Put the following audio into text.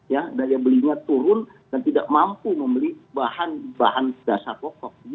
ya daya belinya turun dan tidak mampu membeli bahan bahan dasar pokok